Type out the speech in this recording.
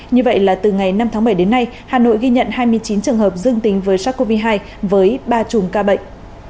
như vậy là từ ngày năm tháng bảy đến nay hà nội ghi nhận hai mươi chín trường hợp dương tính với sars cov hai với ba chùm ca bệnh